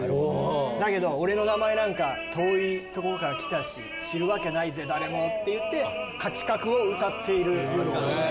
「だけど俺の名前なんか遠い所から来たし知るわけないぜ誰も」って言って勝ち確を歌っている。